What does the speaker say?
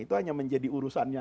itu hanya menjadi urusannya